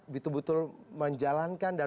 betul betul menjalankan dan